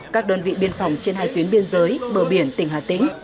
các đơn vị biên phòng trên hai tuyến biên giới bờ biển tỉnh hà tĩnh